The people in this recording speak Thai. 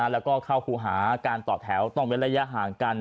แล้วก็เข้าครูหาการต่อแถวต้องเว้นระยะห่างกัน